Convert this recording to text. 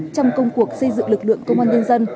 trong công cuộc xây dựng lực lượng công an nhân dân